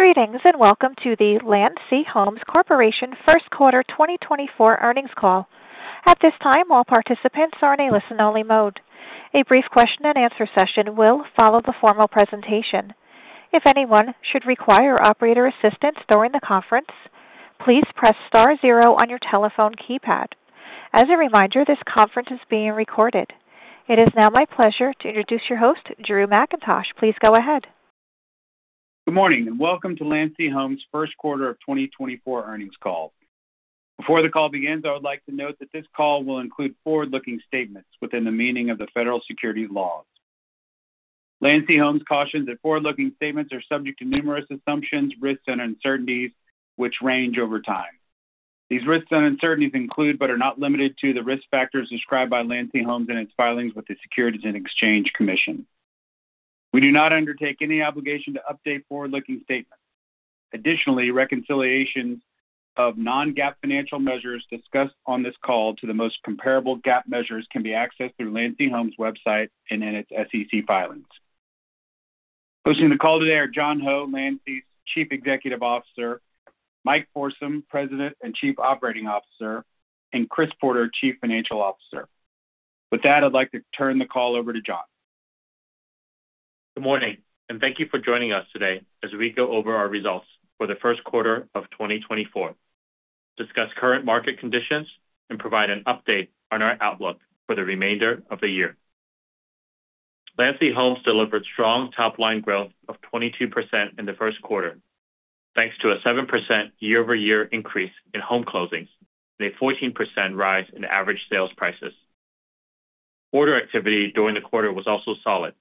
Greetings, and welcome to the Landsea Homes Corporation First Quarter 2024 Earnings Call. At this time, all participants are in a listen-only mode. A brief question-and-answer session will follow the formal presentation. If anyone should require operator assistance during the conference, please press star zero on your telephone keypad. As a reminder, this conference is being recorded. It is now my pleasure to introduce your host, Drew McIntosh. Please go ahead. Good morning, and welcome to Landsea Homes first quarter of 2024 earnings call. Before the call begins, I would like to note that this call will include forward-looking statements within the meaning of the federal securities laws. Landsea Homes cautions that forward-looking statements are subject to numerous assumptions, risks, and uncertainties, which range over time. These risks and uncertainties include, but are not limited to, the risk factors described by Landsea Homes in its filings with the Securities and Exchange Commission. We do not undertake any obligation to update forward-looking statements. Additionally, reconciliation of non-GAAP financial measures discussed on this call to the most comparable GAAP measures can be accessed through Landsea Homes' website and in its SEC filings. Hosting the call today are John Ho, Landsea's Chief Executive Officer, Mike Forsum, President and Chief Operating Officer, and Chris Porter, Chief Financial Officer. With that, I'd like to turn the call over to John. Good morning, and thank you for joining us today as we go over our results for the first quarter of 2024, discuss current market conditions, and provide an update on our outlook for the remainder of the year. Landsea Homes delivered strong top-line growth of 22% in the first quarter, thanks to a 7% YoY increase in home closings and a 14% rise in average sales prices. Order activity during the quarter was also solid,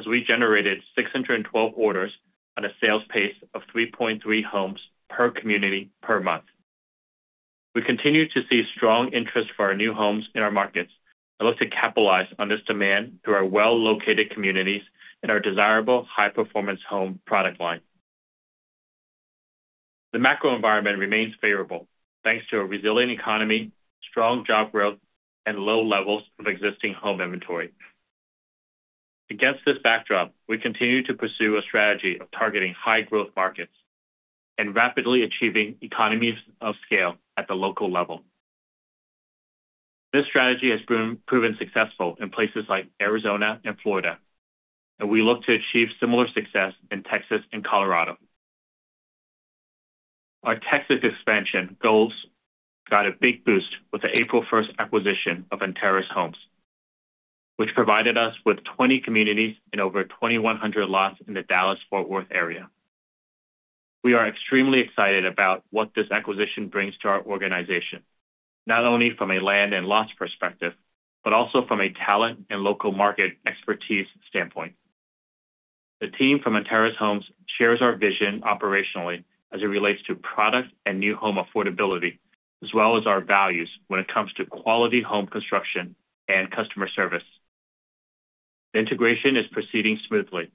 as we generated 612 orders on a sales pace of 3.3 homes per community per month. We continue to see strong interest for our new homes in our markets and look to capitalize on this demand through our well-located communities and our desirable high-performance home product line. The macro environment remains favorable, thanks to a resilient economy, strong job growth, and low levels of existing home inventory. Against this backdrop, we continue to pursue a strategy of targeting high-growth markets and rapidly achieving economies of scale at the local level. This strategy has been proven successful in places like Arizona and Florida, and we look to achieve similar success in Texas and Colorado. Our Texas expansion goals got a big boost with the April 1st acquisition of Antares Homes, which provided us with 20 communities and over 2,100 lots in the Dallas-Fort Worth area. We are extremely excited about what this acquisition brings to our organization, not only from a land and lots perspective, but also from a talent and local market expertise standpoint. The team from Antares Homes shares our vision operationally as it relates to product and new home affordability, as well as our values when it comes to quality home construction and customer service. The integration is proceeding smoothly,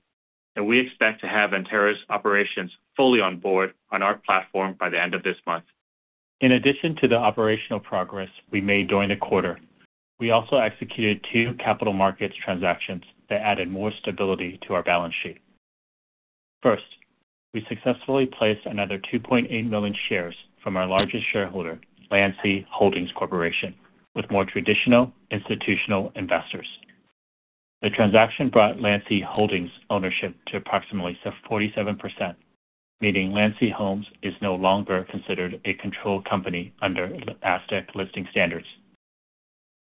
and we expect to have Antares operations fully on board on our platform by the end of this month. In addition to the operational progress we made during the quarter, we also executed two capital markets transactions that added more stability to our balance sheet. First, we successfully placed another 2.8 million shares from our largest shareholder, Landsea Holdings Corporation, with more traditional institutional investors. The transaction brought Landsea Holdings' ownership to approximately 47%, meaning Landsea Homes is no longer considered a controlled company under Nasdaq listing standards.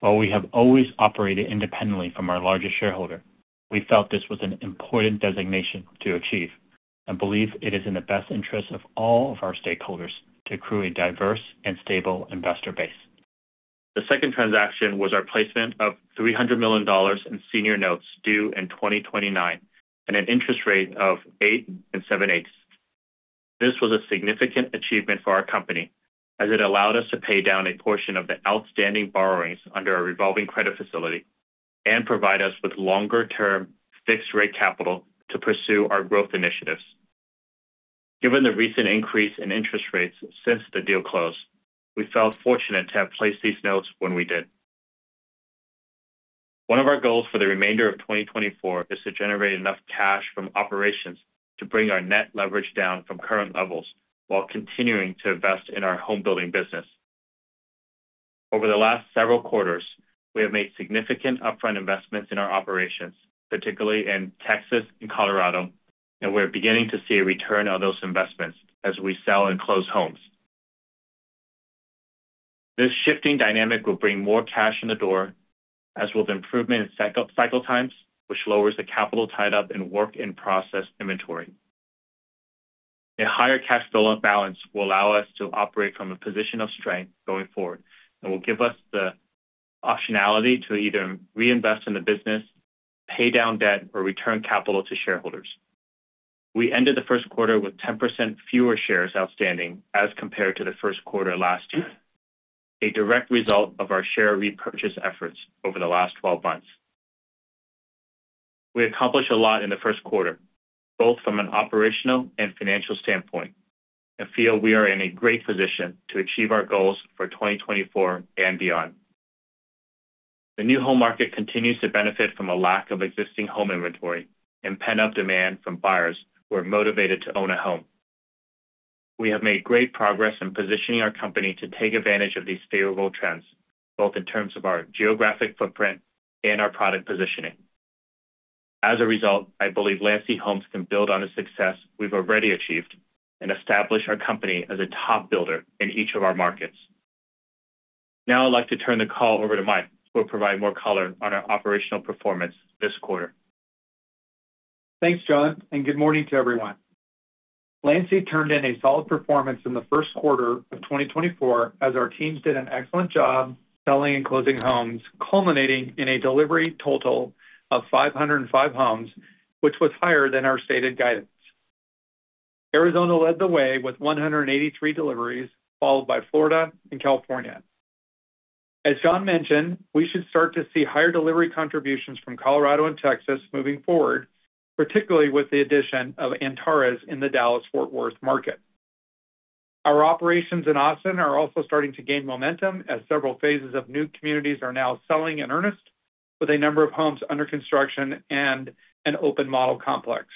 While we have always operated independently from our largest shareholder, we felt this was an important designation to achieve and believe it is in the best interest of all of our stakeholders to accrue a diverse and stable investor base. The second transaction was our placement of $300 million in senior notes due in 2029 and an interest rate of 8.875%. This was a significant achievement for our company, as it allowed us to pay down a portion of the outstanding borrowings under our revolving credit facility and provide us with longer-term fixed-rate capital to pursue our growth initiatives. Given the recent increase in interest rates since the deal closed, we felt fortunate to have placed these notes when we did. One of our goals for the remainder of 2024 is to generate enough cash from operations to bring our net leverage down from current levels while continuing to invest in our home building business. Over the last several quarters, we have made significant upfront investments in our operations, particularly in Texas and Colorado, and we're beginning to see a return on those investments as we sell and close homes. This shifting dynamic will bring more cash in the door, as will the improvement in cycle, cycle times, which lowers the capital tied up in work-in-process inventory. A higher cash balance will allow us to operate from a position of strength going forward and will give us the optionality to either reinvest in the business, pay down debt, or return capital to shareholders. We ended the first quarter with 10% fewer shares outstanding as compared to the first quarter last year, a direct result of our share repurchase efforts over the last 12 months. We accomplished a lot in the first quarter, both from an operational and financial standpoint, and feel we are in a great position to achieve our goals for 2024 and beyond.... The new home market continues to benefit from a lack of existing home inventory and pent-up demand from buyers who are motivated to own a home. We have made great progress in positioning our company to take advantage of these favorable trends, both in terms of our geographic footprint and our product positioning. As a result, I believe Landsea Homes can build on the success we've already achieved and establish our company as a top builder in each of our markets. Now I'd like to turn the call over to Mike, who will provide more color on our operational performance this quarter. Thanks, John, and good morning to everyone. Landsea turned in a solid performance in the first quarter of 2024, as our teams did an excellent job selling and closing homes, culminating in a delivery total of 505 homes, which was higher than our stated guidance. Arizona led the way with 183 deliveries, followed by Florida and California. As John mentioned, we should start to see higher delivery contributions from Colorado and Texas moving forward, particularly with the addition of Antares in the Dallas-Fort Worth market. Our operations in Austin are also starting to gain momentum, as several phases of new communities are now selling in earnest, with a number of homes under construction and an open model complex.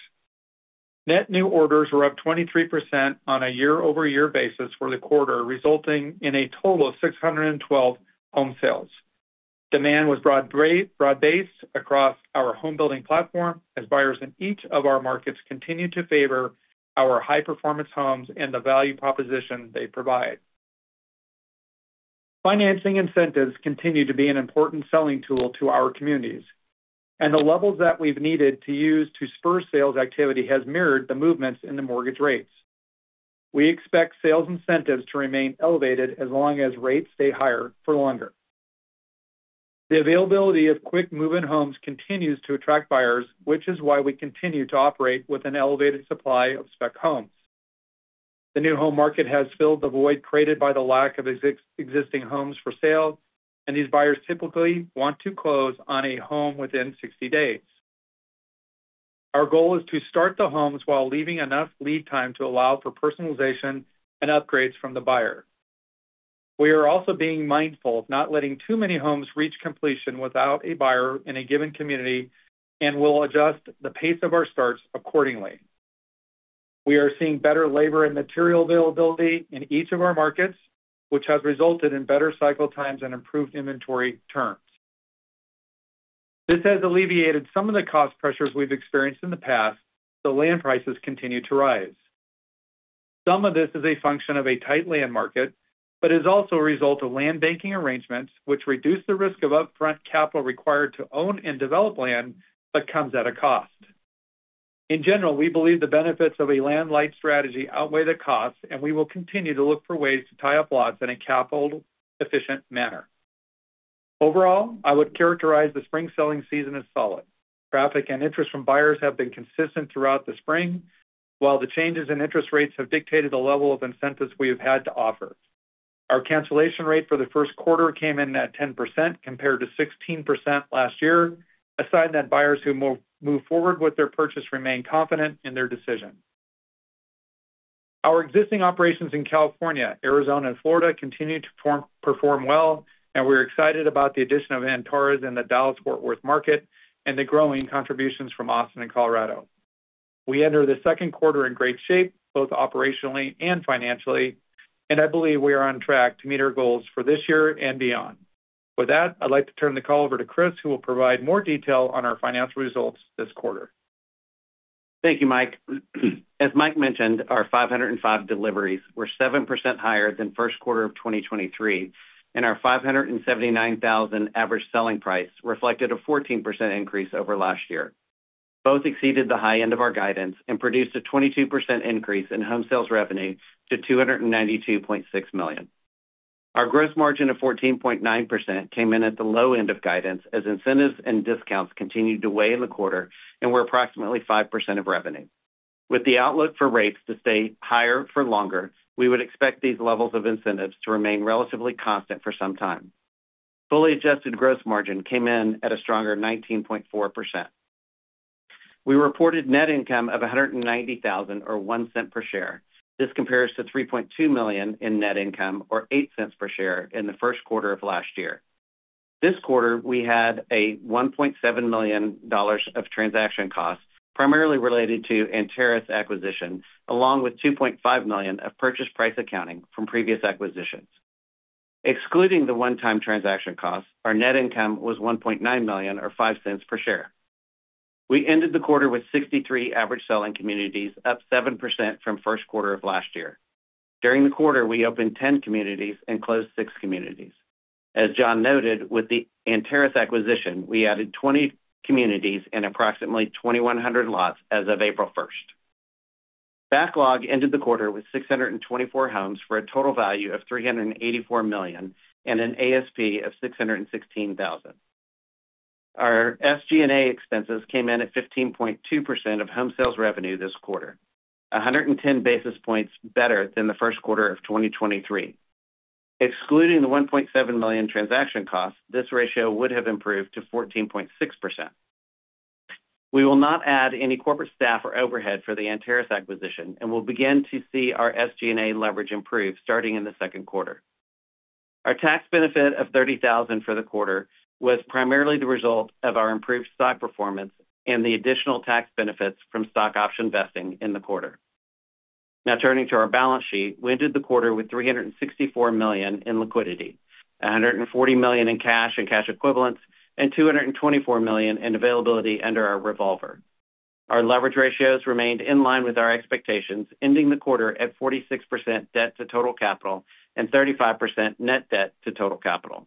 Net new orders were up 23% on a YoY basis for the quarter, resulting in a total of 612 home sales. Demand was broad-based across our home building platform, as buyers in each of our markets continued to favor our high-performance homes and the value proposition they provide. Financing incentives continue to be an important selling tool to our communities, and the levels that we've needed to use to spur sales activity has mirrored the movements in the mortgage rates. We expect sales incentives to remain elevated as long as rates stay higher for longer. The availability of quick move-in homes continues to attract buyers, which is why we continue to operate with an elevated supply of spec homes. The new home market has filled the void created by the lack of existing homes for sale, and these buyers typically want to close on a home within 60 days. Our goal is to start the homes while leaving enough lead time to allow for personalization and upgrades from the buyer. We are also being mindful of not letting too many homes reach completion without a buyer in a given community and will adjust the pace of our starts accordingly. We are seeing better labor and material availability in each of our markets, which has resulted in better cycle times and improved inventory turns. This has alleviated some of the cost pressures we've experienced in the past, though land prices continue to rise. Some of this is a function of a tight land market, but is also a result of land banking arrangements, which reduce the risk of upfront capital required to own and develop land, but comes at a cost. In general, we believe the benefits of a land-light strategy outweigh the costs, and we will continue to look for ways to tie up lots in a capital-efficient manner. Overall, I would characterize the spring selling season as solid. Traffic and interest from buyers have been consistent throughout the spring, while the changes in interest rates have dictated the level of incentives we have had to offer. Our cancellation rate for the first quarter came in at 10%, compared to 16% last year, a sign that buyers who move forward with their purchase remain confident in their decision. Our existing operations in California, Arizona and Florida continue to perform well, and we're excited about the addition of Antares in the Dallas-Fort Worth market and the growing contributions from Austin and Colorado. We enter the second quarter in great shape, both operationally and financially, and I believe we are on track to meet our goals for this year and beyond. With that, I'd like to turn the call over to Chris, who will provide more detail on our financial results this quarter. Thank you, Mike. As Mike mentioned, our 505 deliveries were 7% higher than first quarter of 2023, and our $579,000 average selling price reflected a 14% increase over last year. Both exceeded the high end of our guidance and produced a 22% increase in home sales revenue to $292.6 million. Our gross margin of 14.9% came in at the low end of guidance, as incentives and discounts continued to weigh in the quarter and were approximately 5% of revenue. With the outlook for rates to stay higher for longer, we would expect these levels of incentives to remain relatively constant for some time. Fully adjusted gross margin came in at a stronger 19.4%. We reported net income of $190,000, or $0.01 per share. This compares to $3.2 million in net income or $0.08 per share in the first quarter of last year. This quarter, we had $1.7 million of transaction costs, primarily related to Antares acquisition, along with $2.5 million of purchase price accounting from previous acquisitions. Excluding the one-time transaction costs, our net income was $1.9 million, or $0.05 per share. We ended the quarter with 63 average selling communities, up 7% from first quarter of last year. During the quarter, we opened 10 communities and closed six communities. As John noted, with the Antares acquisition, we added 20 communities and approximately 2,100 lots as of April 1st. Backlog ended the quarter with 624 homes, for a total value of $384 million, and an ASP of $616,000. Our SG&A expenses came in at 15.2% of home sales revenue this quarter, 110 basis points better than the first quarter of 2023. Excluding the $1.7 million transaction costs, this ratio would have improved to 14.6%.... We will not add any corporate staff or overhead for the Antares acquisition, and we'll begin to see our SG&A leverage improve starting in the second quarter. Our tax benefit of $30,000 for the quarter was primarily the result of our improved stock performance and the additional tax benefits from stock option vesting in the quarter. Now, turning to our balance sheet. We ended the quarter with $364 million in liquidity, $140 million in cash and cash equivalents, and $224 million in availability under our revolver. Our leverage ratios remained in line with our expectations, ending the quarter at 46% debt to total capital and 35% net debt to total capital.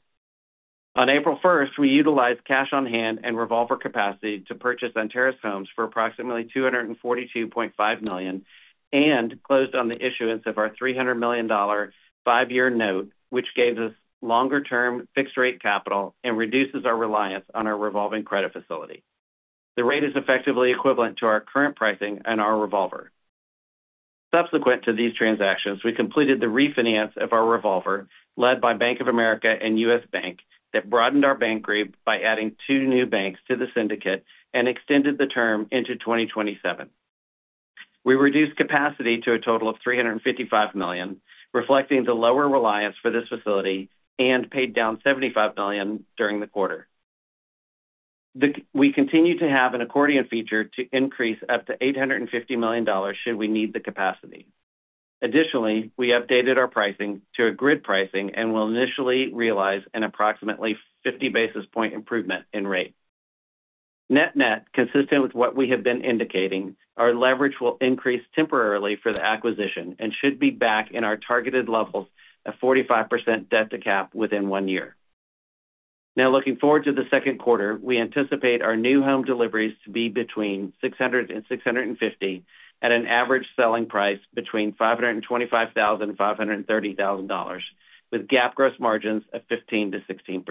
On April 1st, we utilized cash on hand and revolver capacity to purchase Antares Homes for approximately $242.5 million, and closed on the issuance of our $300 million five-year note, which gave us longer-term fixed rate capital and reduces our reliance on our revolving credit facility. The rate is effectively equivalent to our current pricing and our revolver. Subsequent to these transactions, we completed the refinance of our revolver, led by Bank of America and U.S. Bank, that broadened our bank group by adding two new banks to the syndicate and extended the term into 2027. We reduced capacity to a total of $355 million, reflecting the lower reliance for this facility and paid down $75 million during the quarter. We continue to have an accordion feature to increase up to $850 million, should we need the capacity. Additionally, we updated our pricing to a grid pricing and will initially realize an approximately 50 basis point improvement in rate. Net-net, consistent with what we have been indicating, our leverage will increase temporarily for the acquisition and should be back in our targeted levels of 45% debt to cap within one year. Now, looking forward to the second quarter, we anticipate our new home deliveries to be between 600 and 650, at an average selling price between $525,000 and $530,000, with GAAP gross margins of 15%-16%.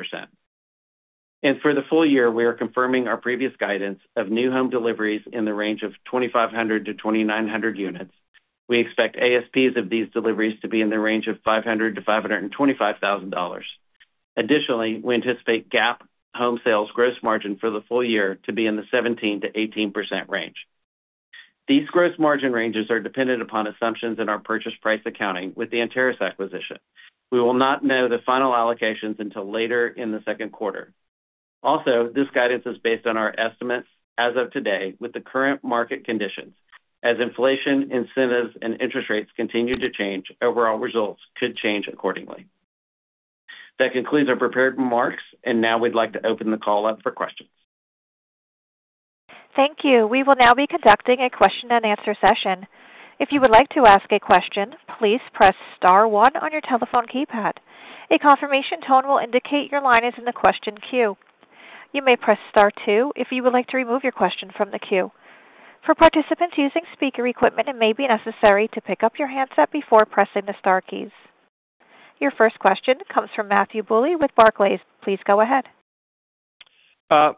For the full year, we are confirming our previous guidance of new home deliveries in the range of 2,500-2,900 units. We expect ASPs of these deliveries to be in the range of $500,000-$525,000. Additionally, we anticipate GAAP home sales gross margin for the full year to be in the 17%-18% range. These gross margin ranges are dependent upon assumptions in our purchase price accounting with the Antares acquisition. We will not know the final allocations until later in the second quarter. Also, this guidance is based on our estimates as of today with the current market conditions. As inflation, incentives, and interest rates continue to change, overall results could change accordingly. That concludes our prepared remarks, and now we'd like to open the call up for questions. Thank you. We will now be conducting a question and answer session. If you would like to ask a question, please press star one on your telephone keypad. A confirmation tone will indicate your line is in the question queue. You may press star two if you would like to remove your question from the queue. For participants using speaker equipment, it may be necessary to pick up your handset before pressing the star keys. Your first question comes from Matthew Bouley with Barclays. Please go ahead.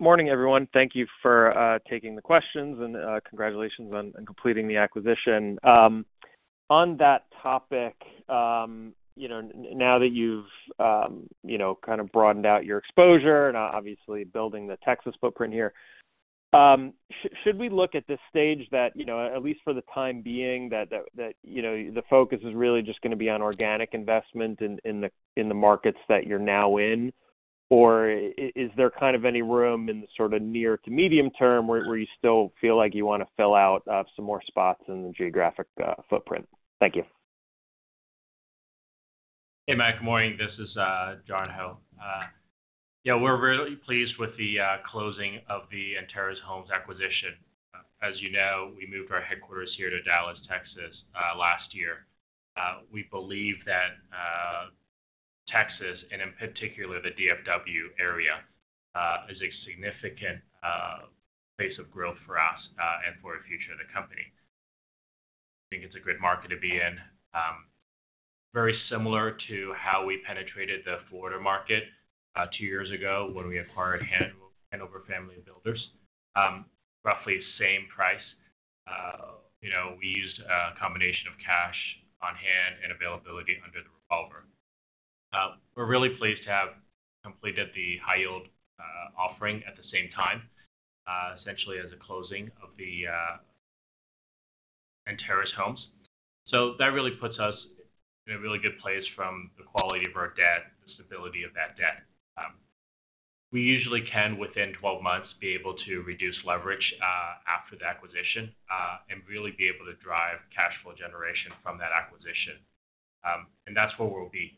Morning, everyone. Thank you for taking the questions, and congratulations on completing the acquisition. On that topic, you know, now that you've, you know, kind of broadened out your exposure and obviously building the Texas footprint here, should we look at this stage that, you know, at least for the time being, that the focus is really just gonna be on organic investment in the markets that you're now in? Or is there kind of any room in the sort of near to medium term where you still feel like you wanna fill out some more spots in the geographic footprint? Thank you. Hey, Matt, good morning. This is John Ho. Yeah, we're really pleased with the closing of the Antares Homes acquisition. As you know, we moved our headquarters here to Dallas, Texas last year. We believe that Texas, and in particular the DFW area, is a significant place of growth for us and for the future of the company. I think it's a good market to be in. Very similar to how we penetrated the Florida market two years ago when we acquired Hanover, Hanover Family of Builders. Roughly the same price. You know, we used a combination of cash on hand and availability under the revolver. We're really pleased to have completed the high yield offering at the same time essentially as a closing of the Antares Homes. So that really puts us in a really good place from the quality of our debt, the stability of that debt. We usually can, within 12 months, be able to reduce leverage after the acquisition, and really be able to drive cash flow generation from that acquisition. And that's where we'll be.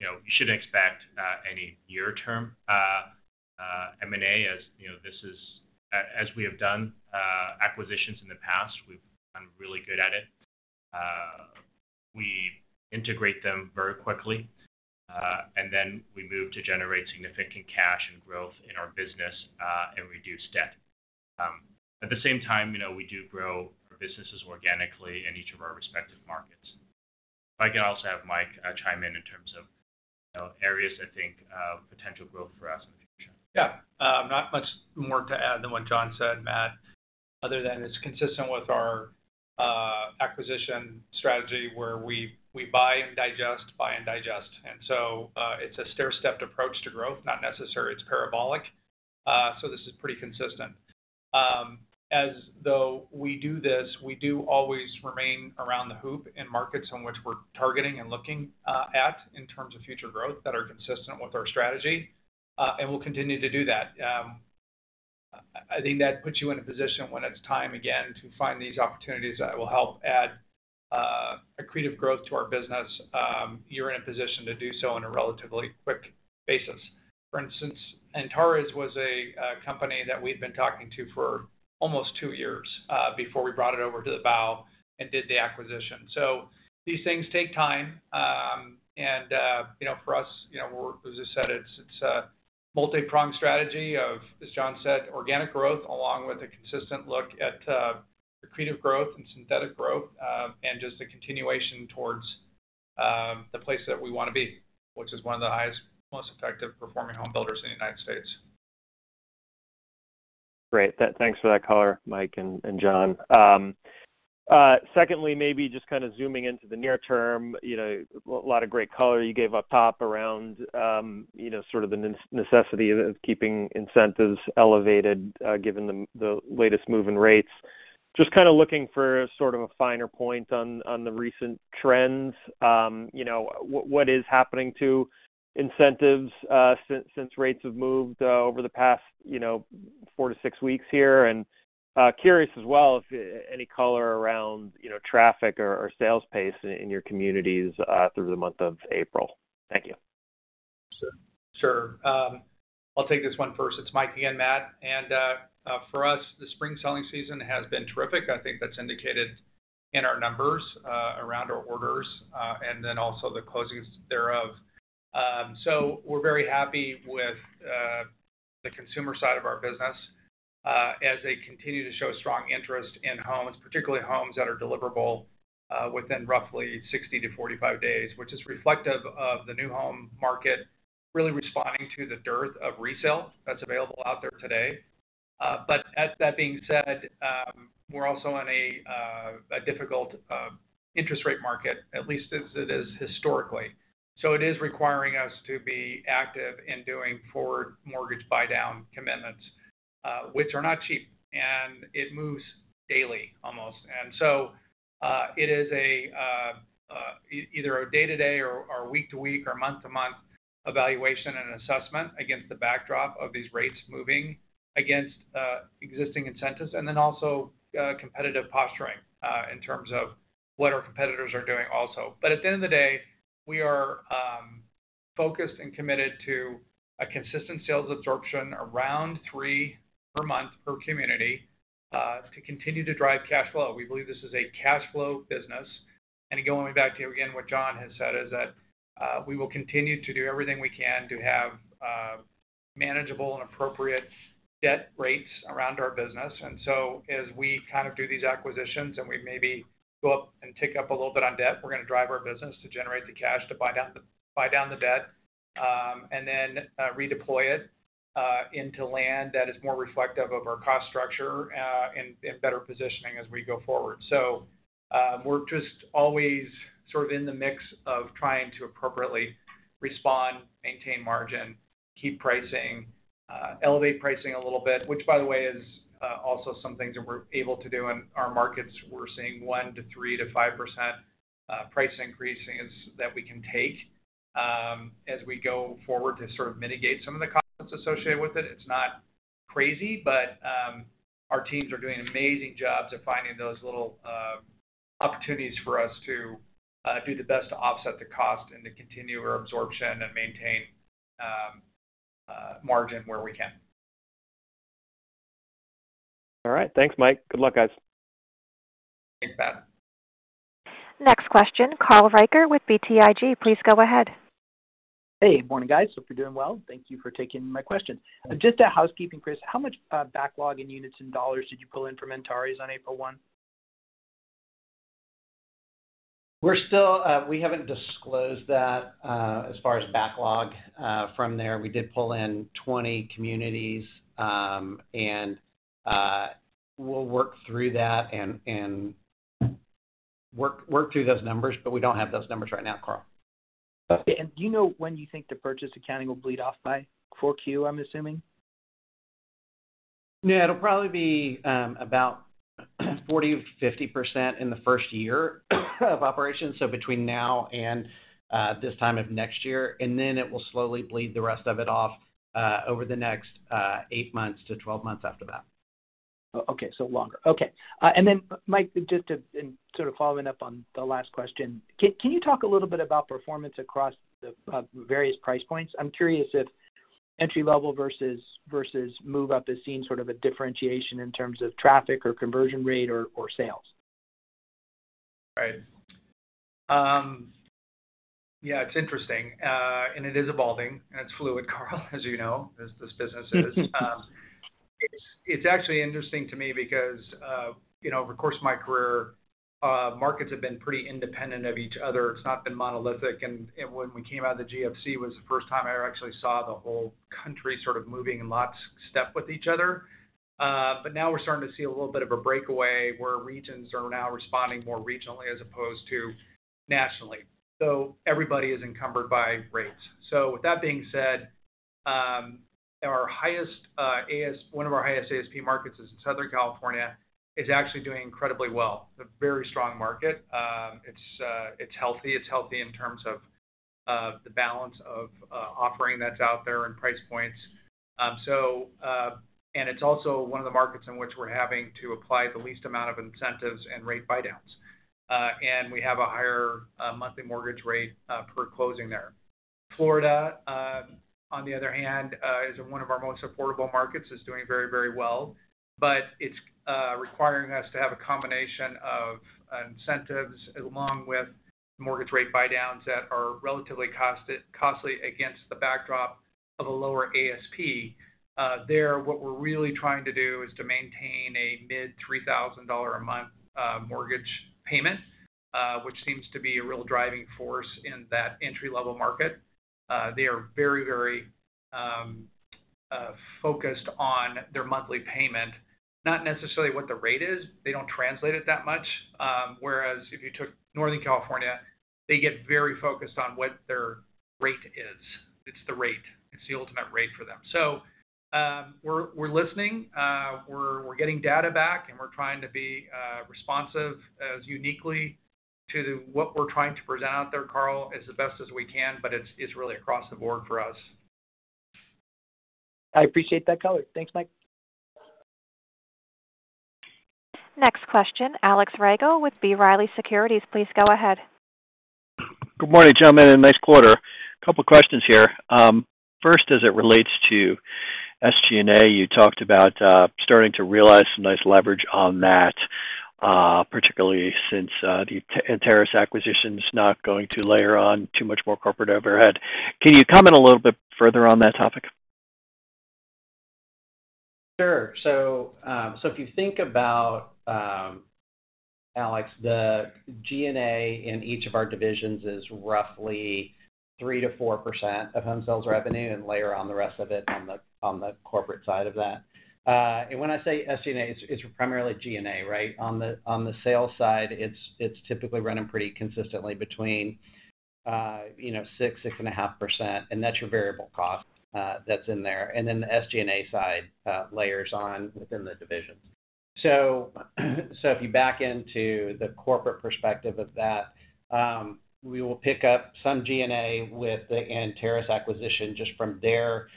You know, you shouldn't expect any near-term M&A, as you know, as we have done acquisitions in the past, we've become really good at it. We integrate them very quickly, and then we move to generate significant cash and growth in our business, and reduce debt. At the same time, you know, we do grow our businesses organically in each of our respective markets. I can also have Mike chime in in terms of, you know, areas I think potential growth for us in the future. Yeah. Not much more to add than what John said, Matt. Other than it's consistent with our acquisition strategy, where we buy and digest, buy and digest. And so, it's a stairstepped approach to growth, not necessarily it's parabolic. So this is pretty consistent. As though we do this, we do always remain around the hoop in markets in which we're targeting and looking at, in terms of future growth that are consistent with our strategy, and we'll continue to do that. I think that puts you in a position when it's time again to find these opportunities that will help add accretive growth to our business, you're in a position to do so in a relatively quick basis. For instance, Antares was a company that we've been talking to for almost two years before we brought it over to the board and did the acquisition. So these things take time. You know, for us, you know, we're, as I said, it's multi-pronged strategy of, as John said, organic growth, along with a consistent look at accretive growth and synthetic growth, and just a continuation towards the place that we want to be, which is one of the highest, most effective performing homebuilders in the United States. Great. Thanks for that color, Mike and John. Secondly, maybe just kind of zooming into the near term, you know, a lot of great color you gave up top around, you know, sort of the necessity of keeping incentives elevated, given the latest move in rates. Just kind of looking for sort of a finer point on the recent trends. You know, what is happening to incentives since rates have moved over the past, you know, four to six weeks here? And curious as well, if any color around, you know, traffic or sales pace in your communities through the month of April. Thank you. Sure. Sure. I'll take this one first. It's Mike again, Matt, and, for us, the spring selling season has been terrific. I think that's indicated in our numbers, around our orders, and then also the closings thereof. So we're very happy with, the consumer side of our business, as they continue to show strong interest in homes, particularly homes that are deliverable, within roughly 60 to 45 days, which is reflective of the new home market, really responding to the dearth of resale that's available out there today. But as that being said, we're also in a, a difficult, interest rate market, at least as it is historically. So it is requiring us to be active in doing forward mortgage buy-down commitments, which are not cheap, and it moves daily, almost. And so, it is either a day-to-day or week-to-week or month-to-month evaluation and assessment against the backdrop of these rates moving against existing incentives, and then also competitive posturing in terms of what our competitors are doing also. But at the end of the day, we are focused and committed to a consistent sales absorption around three per month, per community, to continue to drive cash flow. We believe this is a cash flow business. And going back to, again, what John has said, is that we will continue to do everything we can to have manageable and appropriate debt rates around our business. As we kind of do these acquisitions, and we maybe go up and tick up a little bit on debt, we're going to drive our business to generate the cash to buy down the debt, and then redeploy it into land that is more reflective of our cost structure, and better positioning as we go forward. So, we're just always sort of in the mix of trying to appropriately respond, maintain margin, keep pricing, elevate pricing a little bit, which, by the way, is also some things that we're able to do in our markets. We're seeing 1%-3%-5% price increases that we can take as we go forward to sort of mitigate some of the costs associated with it. It's not crazy, but our teams are doing an amazing job to finding those little opportunities for us to do the best to offset the cost and to continue our absorption and maintain margin where we can. All right. Thanks, Mike. Good luck, guys. Thanks, Matt. Next question, Carl Reichardt with BTIG. Please go ahead. Hey, morning, guys. Hope you're doing well. Thank you for taking my question. Just a housekeeping, Chris, how much backlog in units and dollars did you pull in from Antares on April 1? We're still. We haven't disclosed that as far as backlog. From there, we did pull in 20 communities, and we'll work through that and work through those numbers, but we don't have those numbers right now, Carl. Okay. And do you know when you think the purchase accounting will bleed off by Q4, I'm assuming? Yeah, it'll probably be about 40%-50% in the first year of operation, so between now and this time of next year, and then it will slowly bleed the rest of it off over the next 8-12 months after that. Oh, okay. So longer. Okay. And then, Mike, just to—and sort of following up on the last question, can, can you talk a little bit about performance across the various price points? I'm curious if entry-level versus, versus move up the scene, sort of a differentiation in terms of traffic or conversion rate or, or sales. Right. Yeah, it's interesting, and it is evolving, and it's fluid, Carl, as you know, as this business is. It's actually interesting to me because you know, over the course of my career, markets have been pretty independent of each other. It's not been monolithic, and when we came out of the GFC, was the first time I actually saw the whole country sort of moving in lockstep with each other. But now we're starting to see a little bit of a breakaway, where regions are now responding more regionally as opposed to nationally. So everybody is encumbered by rates. So with that being said, our highest, one of our highest ASP markets is Southern California, is actually doing incredibly well. A very strong market. It's healthy. It's healthy in terms of the balance of offering that's out there and price points. So, and it's also one of the markets in which we're having to apply the least amount of incentives and rate buydowns. And we have a higher monthly mortgage rate per closing there. Florida, on the other hand, is one of our most affordable markets, is doing very, very well. But it's requiring us to have a combination of incentives, along with mortgage rate buydowns that are relatively costly against the backdrop of a lower ASP. There, what we're really trying to do is to maintain a mid-$3,000-a-month mortgage payment, which seems to be a real driving force in that entry-level market. They are very, very focused on their monthly payment, not necessarily what the rate is. They don't translate it that much. Whereas, if you took Northern California, they get very focused on what their rate is. It's the rate, it's the ultimate rate for them. So, we're listening, we're getting data back, and we're trying to be responsive as uniquely to what we're trying to present out there, Carl, as best as we can, but it's really across the board for us. I appreciate that color. Thanks, Mike. Next question, Alex Rygiel with B. Riley Securities. Please go ahead. Good morning, gentlemen, and nice quarter. Couple questions here. First, as it relates to SG&A, you talked about starting to realize some nice leverage on that, particularly since the Antares acquisition is not going to layer on too much more corporate overhead. Can you comment a little bit further on that topic? Sure. So if you think about, Alex, the G&A in each of our divisions is roughly 3%-4% of home sales revenue and layer on the rest of it on the corporate side of that. And when I say SG&A, it's primarily G&A, right? On the sales side, it's typically running pretty consistently between, you know, 6%-6.5%, and that's your variable cost, that's in there. And then the SG&A side layers on within the divisions. So if you back into the corporate perspective of that, we will pick up some G&A with the Antares acquisition, just from their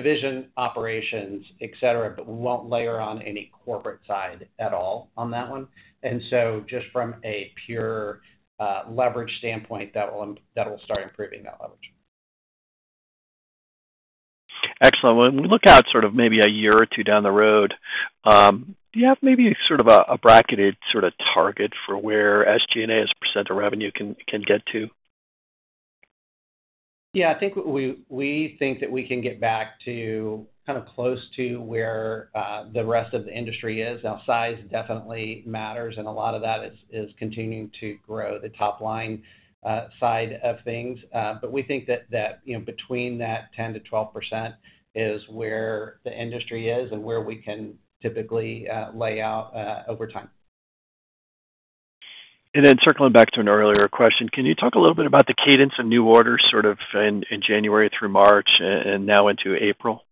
division operations, et cetera, but we won't layer on any corporate side at all on that one. And so just from a pure leverage standpoint, that will start improving that leverage. Excellent. When we look out sort of maybe a year or two down the road, do you have maybe sort of a bracketed sort of target for where SG&A as a percent of revenue can get to? Yeah, I think we think that we can get back to kind of close to where the rest of the industry is. Now, size definitely matters, and a lot of that is continuing to grow the top line side of things. But we think that you know, between that 10%-12% is where the industry is and where we can typically lay out over time. And then circling back to an earlier question, can you talk a little bit about the cadence of new orders, sort of in January through March, and now into April?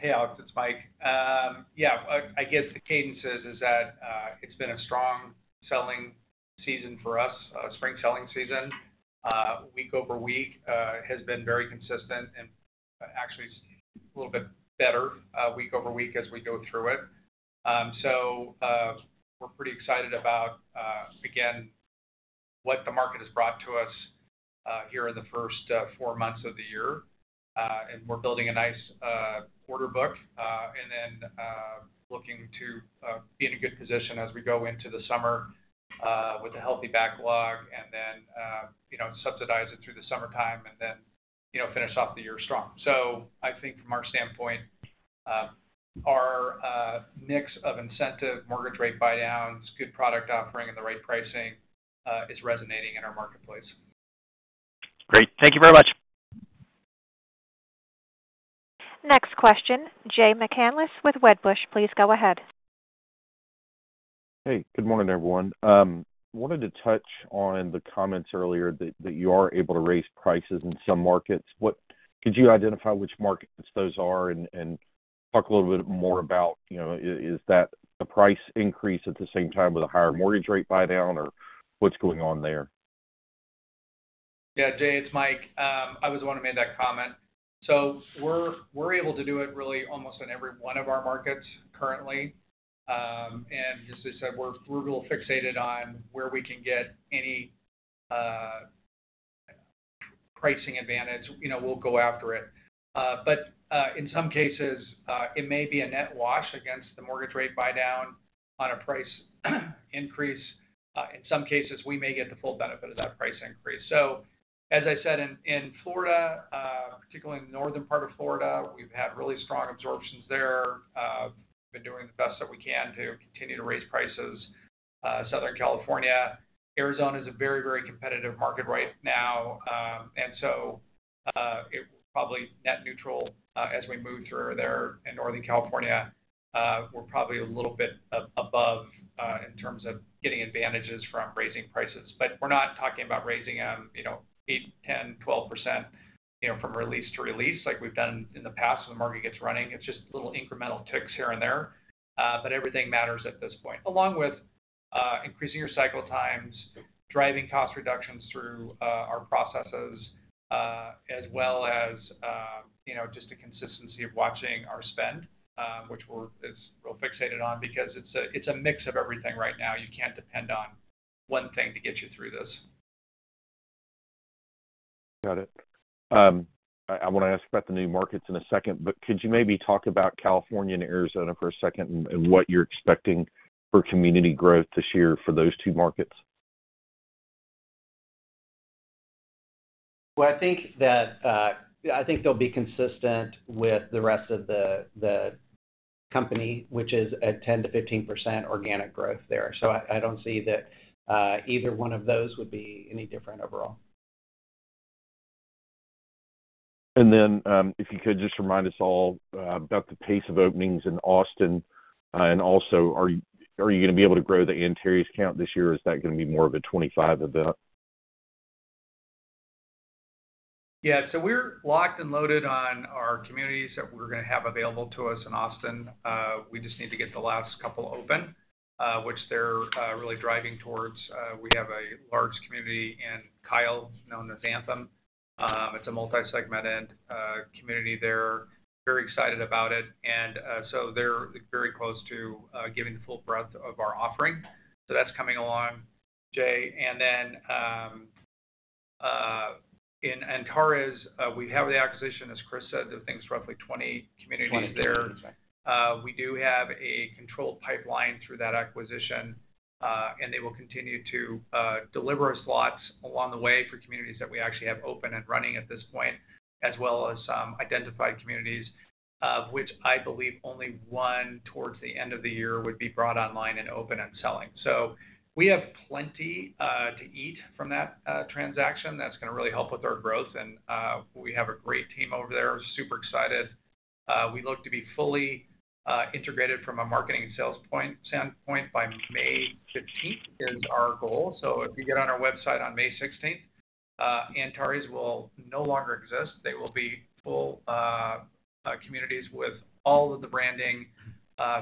Hey, Alex, it's Mike. Yeah, I guess the cadence is that it's been a strong selling season for us, spring selling season. Week over week has been very consistent and actually a little bit better week over week as we go through it. So, we're pretty excited about again what the market has brought to us here in the first four months of the year. And we're building a nice order book and then looking to be in a good position as we go into the summer with a healthy backlog, and then you know, subsidize it through the summertime and then you know, finish off the year strong. I think from our standpoint, our mix of incentive, mortgage rate buydowns, good product offering, and the right pricing is resonating in our marketplace. Great. Thank you very much. Next question, Jay McCanless with Wedbush. Please go ahead. Hey, good morning, everyone. Wanted to touch on the comments earlier that you are able to raise prices in some markets. What could you identify which markets those are and talk a little bit more about, you know, is that a price increase at the same time with a higher mortgage rate buydown, or what's going on there? Yeah, Jay, it's Mike. I was the one who made that comment. So we're able to do it really almost in every one of our markets currently. And as I said, we're real fixated on where we can get any pricing advantage, you know, we'll go after it. But in some cases, it may be a net wash against the mortgage rate buydown on a price increase. In some cases, we may get the full benefit of that price increase. So as I said, in Florida, particularly in the northern part of Florida, we've had really strong absorptions there. We've been doing the best that we can to continue to raise prices. Southern California, Arizona is a very, very competitive market right now. And so it probably net neutral as we move through there. In Northern California, we're probably a little bit above in terms of getting advantages from raising prices. But we're not talking about raising them, you know, 8, 10, 12%, you know, from release to release, like we've done in the past, when the market gets running. It's just little incremental ticks here and there, but everything matters at this point. Along with increasing your cycle times, driving cost reductions through our processes, as well as you know, just the consistency of watching our spend, which we're fixated on, because it's a mix of everything right now. You can't depend on one thing to get you through this. Got it. I wanna ask about the new markets in a second, but could you maybe talk about California and Arizona for a second, and what you're expecting for community growth this year for those two markets? Well, I think that, I think they'll be consistent with the rest of the, the company, which is at 10%-15% organic growth there. So I, I don't see that, either one of those would be any different overall. And then, if you could just remind us all about the pace of openings in Austin. And also, are you gonna be able to grow the Antares count this year, or is that gonna be more of a 2025 event? Yeah. So we're locked and loaded on our communities that we're gonna have available to us in Austin. We just need to get the last couple open, which they're really driving towards. We have a large community in Kyle, known as Anthem. It's a multi-segmented community there. Very excited about it, and so they're very close to giving the full breadth of our offering. So that's coming along, Jay. And then, in Antares, we have the acquisition, as Chris said, I think it's roughly 20 communities there. 20 communities, right. We do have a controlled pipeline through that acquisition. And they will continue to deliver us lots along the way, for communities that we actually have open and running at this point, as well as identified communities, which I believe only one towards the end of the year would be brought online and open and selling. So we have plenty to eat from that transaction. That's gonna really help with our growth, and we have a great team over there, super excited. We look to be fully integrated from a marketing sales point, standpoint, by May 15th, is our goal. So if you get on our website on May 16th, Antares will no longer exist. They will be full communities with all of the branding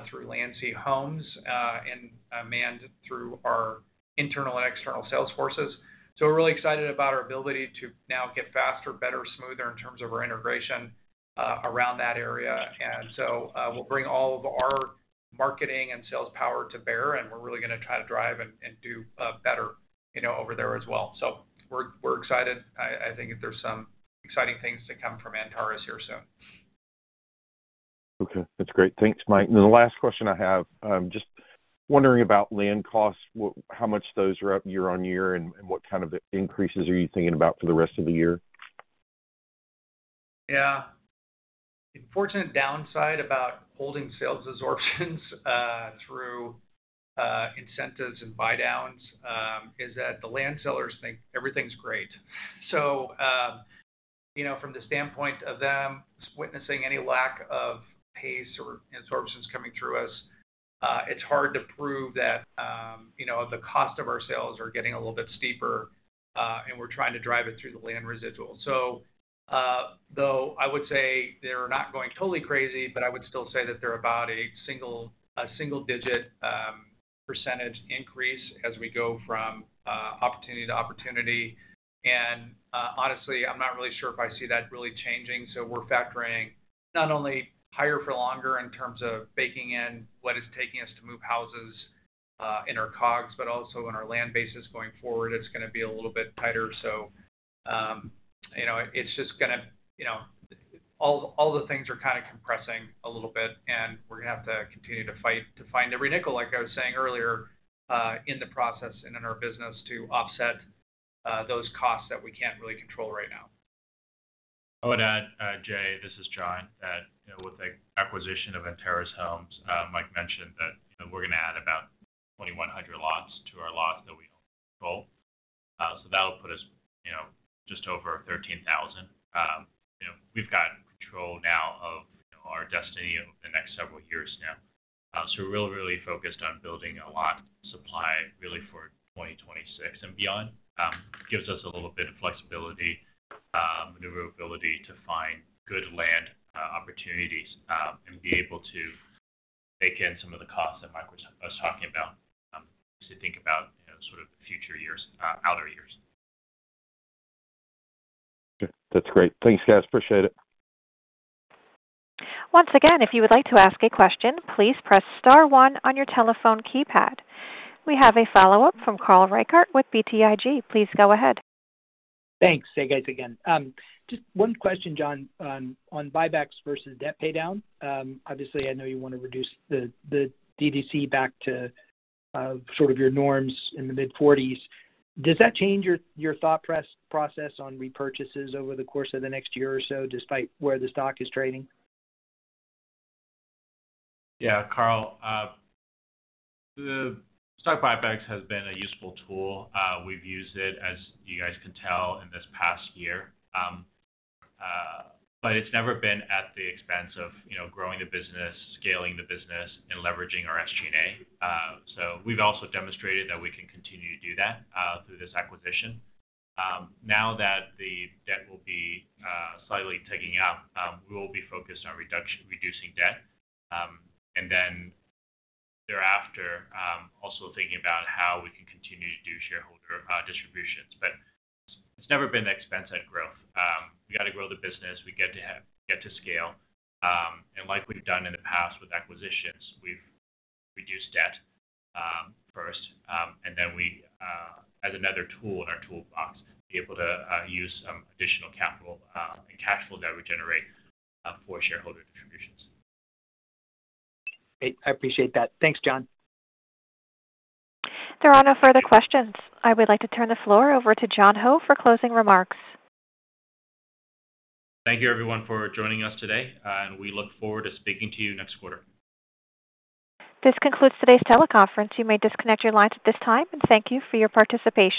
through Landsea Homes, and manned through our internal and external sales forces. So we're really excited about our ability to now get faster, better, smoother, in terms of our integration around that area. And so, we'll bring all of our marketing and sales power to bear, and we're really gonna try to drive and do better, you know, over there as well. So we're excited. I think that there's some exciting things to come from Antares here soon. Okay. That's great. Thanks, Mike. And then the last question I have, just wondering about land costs. How much those are up YoY, and, and what kind of increases are you thinking about for the rest of the year? Yeah. Unfortunate downside about holding sales absorptions through incentives and buydowns is that the land sellers think everything's great. So, you know, from the standpoint of them witnessing any lack of pace or absorptions coming through us, it's hard to prove that, you know, the cost of our sales are getting a little bit steeper, and we're trying to drive it through the land residual. So, though I would say they're not going totally crazy, but I would still say that they're about a single digit percentage increase as we go from opportunity to opportunity. Honestly, I'm not really sure if I see that really changing, so we're factoring not only higher for longer in terms of baking in what it's taking us to move houses in our COGS, but also in our land bases going forward, it's gonna be a little bit tighter. So, you know, it's just gonna... You know, all the things are kind of compressing a little bit, and we're gonna have to continue to fight to find every nickel, like I was saying earlier, in the process and in our business, to offset those costs that we can't really control right now. I would add, Jay, this is John, that, you know, with the acquisition of Antares Homes, Mike mentioned that, you know, we're gonna add about 2,100 lots to our lots that we own/control. So that'll put us, you know, just over 13,000. You know, we've gotten control now of, you know, our destiny over the next several years now. So we're really, really focused on building a lot supply, really for 2026 and beyond. Gives us a little bit of flexibility, maneuverability to find good land, opportunities, and be able to bake in some of the costs that Mike was talking about, as we think about, you know, sort of future years, outer years. Okay. That's great. Thanks, guys. Appreciate it. Once again, if you would like to ask a question, please press star one on your telephone keypad. We have a follow-up from Carl Reichardt with BTIG. Please go ahead. Thanks. Hey, guys, again. Just one question, John, on buybacks versus debt paydown. Obviously, I know you want to reduce the D-to-C back to sort of your norms in the mid-forties. Does that change your thought process on repurchases over the course of the next year or so, despite where the stock is trading? Yeah, Carl, the stock buybacks has been a useful tool. We've used it, as you guys can tell, in this past year. But it's never been at the expense of, you know, growing the business, scaling the business, and leveraging our SG&A. So we've also demonstrated that we can continue to do that through this acquisition. Now that the debt will be slightly ticking up, we will be focused on reducing debt. And then thereafter, also thinking about how we can continue to do shareholder distributions. But it's never been the expense at growth. We got to grow the business, we get to scale. Like we've done in the past with acquisitions, we've reduced debt first, and then we, as another tool in our toolbox, be able to use some additional capital and cash flow that we generate for shareholder distributions. Great. I appreciate that. Thanks, John. There are no further questions. I would like to turn the floor over to John Ho, for closing remarks. Thank you, everyone, for joining us today, and we look forward to speaking to you next quarter. This concludes today's teleconference. You may disconnect your lines at this time, and thank you for your participation.